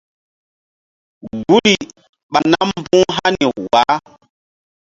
Guri ɓa nam mbu̧h hani wah.